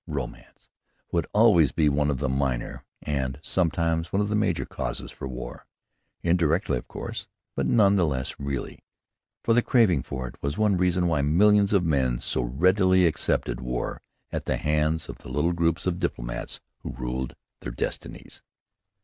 Romance would always be one of the minor, and sometimes one of the major causes for war, indirectly of course, but none the less really; for the craving for it was one reason why millions of men so readily accepted war at the hands of the little groups of diplomats who ruled their destinies.